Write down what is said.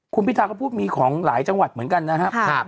คุณพิทาก็พูดมีของหลายจังหวัดเหมือนกันนะครับ